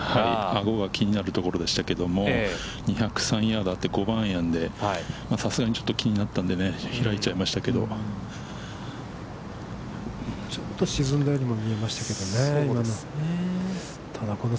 アゴが気になるところでしたけれども、２０３ヤードあって、５番アイアンで、さすがにちょっと気になったんで、開いてしまいましたけど、ちょっと沈んだようにも見えましたけどね、今の。